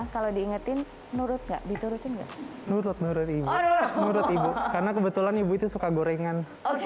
kalau diingetin menurutnya diturutin nggak menurut menurut ibu karena kebetulan ibu itu suka gorengan